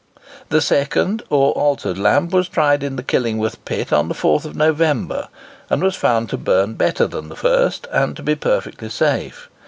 This second or altered lamp was tried in the Killingworth pit on the 4th November, and was found to burn better than the first, and to be perfectly safe.